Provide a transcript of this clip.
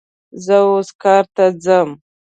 زه اوس کار ته ځم